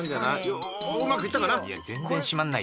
「うまく行ったかな？」